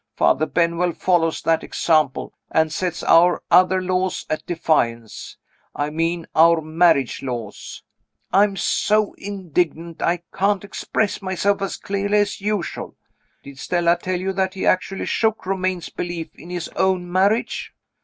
Father Benwell follows that example, and sets our other laws at defiance I mean our marriage laws. I am so indignant I can't express myself as clearly as usual. Did Stella tell you that he actually shook Romayne's belief in his own marriage?